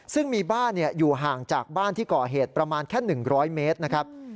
ซึ่งมีบ้านอยู่ห่างจากบ้านที่ก่อเหตุประมาณแค่๑๐๐เมตรนะครับ